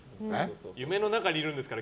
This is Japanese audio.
夢の中にいるんですから。